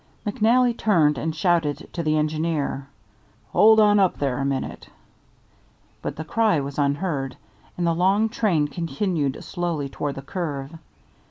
McNally turned and shouted to the engineer, "Hold on up there a minute"; but the cry was unheard, and the long train continued slowly toward the curve.